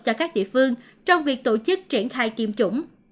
cho các địa phương trong việc tổ chức triển khai tiêm chủng